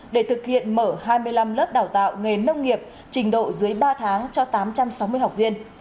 để thực hiện mở hai mươi năm lớp đào tạo nghề nông nghiệp trình độ dưới ba tháng cho tám trăm sáu mươi học viên